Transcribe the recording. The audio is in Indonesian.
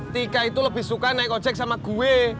tika itu lebih suka naik ojek sama gue